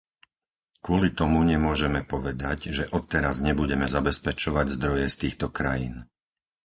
Kvôli tomu nemôžeme povedať, že odteraz nebudeme zabezpečovať zdroje z týchto krajín.